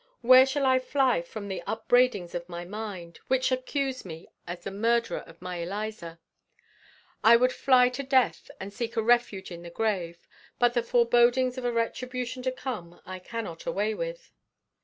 Where shall I fly from the upbraidings of my mind, which accuse me as the murderer of my Eliza? I would fly to death, and seek a refuge in the grave; but the forebodings of a retribution to come I cannot away with.